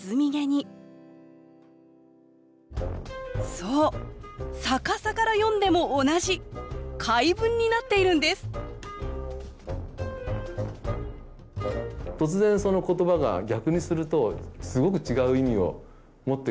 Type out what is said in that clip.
そう逆さから読んでも同じ回文になっているんですこれが面白すぎて。